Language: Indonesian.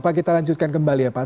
pak kita lanjutkan kembali ya pak